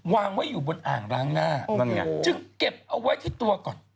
วางไว้อยู่บนอ่างล้างหน้านั่นไงจึงเก็บเอาไว้ที่ตัวก่อน